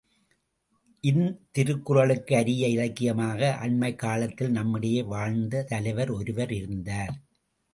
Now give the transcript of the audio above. இத்திருக்குறளுக்கு அரிய இலக்கியமாக அண்மைக் காலத்தில் நம்மிடையே வாழ்ந்த தலைவர் ஒருவர் இருந்தார்!